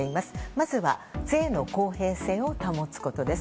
まずは税の公平性を保つことです。